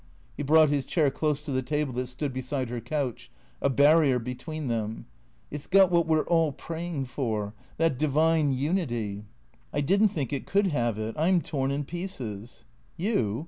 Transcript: He brought his chair close to the table that stood beside her couch, a barrier between them. " It 's got what we 're all praying for — that divine unity "" I did n't think it could have it. I 'm torn in pieces." " You